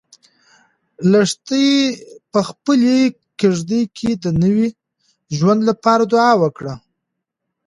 لښتې په خپلې کيږدۍ کې د نوي ژوند لپاره دعا وکړه.